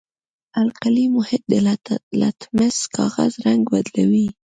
القلي محیط د لتمس کاغذ رنګ بدلوي.